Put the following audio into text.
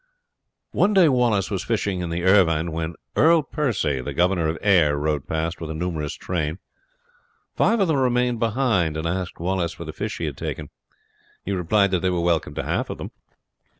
One day Wallace was fishing in the Irvine when Earl Percy, the governor of Ayr, rode past with a numerous train. Five of them remained behind and asked Wallace for the fish he had taken. He replied that they were welcome to half of them.